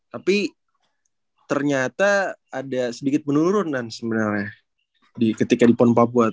tapi ternyata ada sedikit penurunan sebenarnya ketika di pon papua